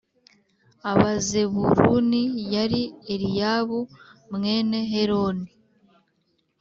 Abazebuluni yari Eliyabu mwene Heloni